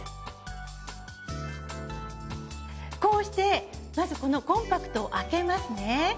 こうしてまずこのコンパクトを開けますね。